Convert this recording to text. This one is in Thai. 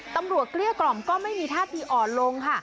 ตำรวจเกลี้ยกล่อมไม่มีท่าตีอ่อนลงค่ะ